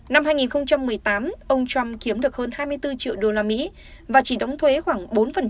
năm hai nghìn một mươi tám ông trump kiếm được hơn hai mươi bốn triệu đô la mỹ và chỉ đóng thuế khoảng bốn